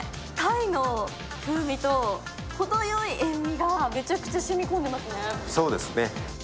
鯛の風味と程良い塩味がめちゃくちゃ染み込んでいますね。